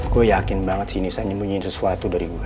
gue yakin banget si nisanya mau nyanyiin sesuatu dari gue